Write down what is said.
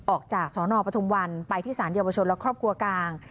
ออกจากสนปทุมวันไปที่สารเยาวชนและครอบครัวกลาง